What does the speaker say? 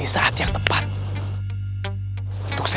ustaz januyuy kemana sih